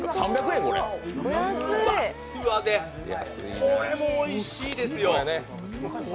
ふわっふわで、これもおいしいですよ。